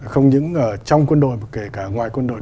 không những ở trong quân đội mà kể cả ngoài quân đội